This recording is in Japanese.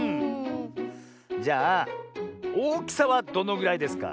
じゃあおおきさはどのぐらいですか？